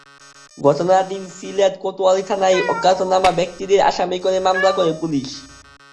ঘটনার দিন সিলেট কোতোয়ালি থানায় অজ্ঞাতনামা ব্যক্তিদের আসামি করে মামলা করে পুলিশ।